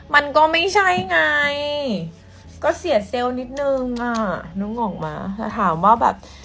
มันก็ไม่ใช่ไงก็เสียเซลล์นิดนึงอ่ะนึกออกมาแต่ถามว่าแบบ